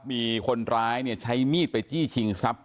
มีคนร้ายเนี้ยใช้มีดไปจี้ชิงซัป